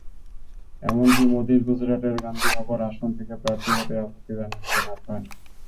এমনকি মোদির গুজরাটের গান্ধীনগর আসন থেকে প্রার্থী হতেও আপত্তি জানিয়েছিলেন আদভানি।